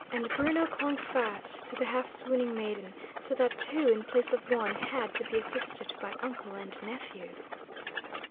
And Bruno clung fast to the half swooning maiden, so that two in place of one had to be assisted by uncle and nephew!